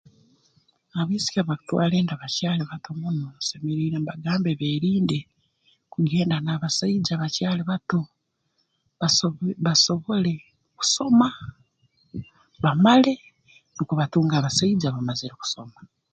Abaisiki abakutwara enda bakyali bato muno nsemeriire mbagambe beerinde kugenda n'abasaija bakyali bato basobi basobole kusoma bamale nukwo batunge abasaija bamazire kusoma